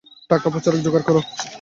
টাকা ও প্রচারক যোগাড় কর।